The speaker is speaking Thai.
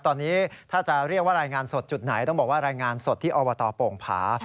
ตอนนี้ถ้าจะเรียกว่ารายงานสดจุดไหนต้องบอกว่ารายงานสดที่อบตโป่งผา